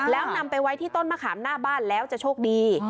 แล้วนำไปไว้ที่ต้นมะขามหน้าบ้านแล้วจะโชคดี